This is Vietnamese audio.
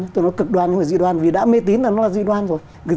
tôi nói cực đoan nhưng mà dị đoan vì đã mê tín là nó là dị đoan rồi